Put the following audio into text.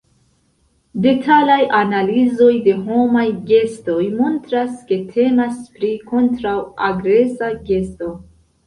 Detalaj analizoj de homaj gestoj montras ke temas pri "kontraŭ-agresa gesto".